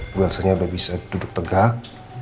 ibu elsanya udah bisa duduk tegak